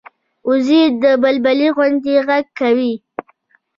وزې د بلبلي غوندې غږ کوي